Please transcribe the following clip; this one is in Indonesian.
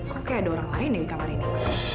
kok kayak ada orang lain nih di kamar ini